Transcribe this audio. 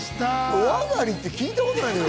おあがりって聞いたことないよ。